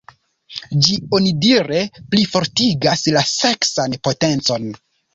Ĝi onidire plifortigas la seksan potencon.